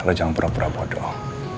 lo jangan pura pura bodoh